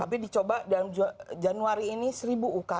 tapi dicoba dalam januari ini seribu ukm